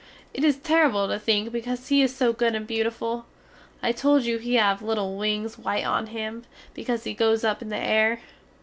It is terrible to think because he is so good and beautiful! I told you he have little wings white on him, because he go up in the air?